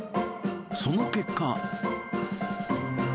その結果。